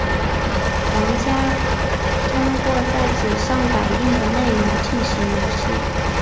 玩家通过在纸上打印的内容进行游戏。